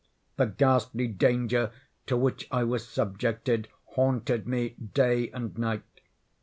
The ghastly Danger to which I was subjected haunted me day and night.